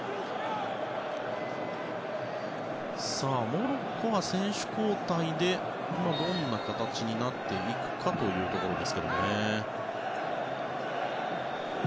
モロッコが選手交代でどんな形になっていくかというところですけれどもね。